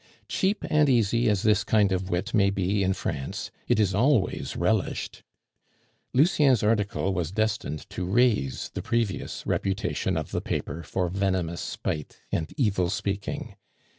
Cheap and easy as this kind of wit may be in France, it is always relished. Lucien's article was destined to raise the previous reputation of the paper for venomous spite and evil speaking.